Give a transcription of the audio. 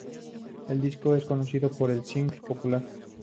El disco es conocido por su single "Popular".